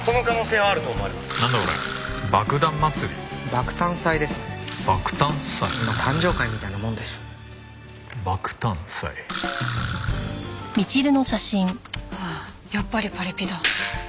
はあやっぱりパリピだ。